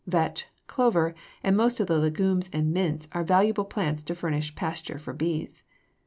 Vetch, clover, and most of the legumes and mints are valuable plants to furnish pasture for bees.